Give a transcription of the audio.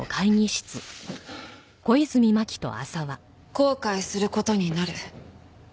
「後悔する事になる」。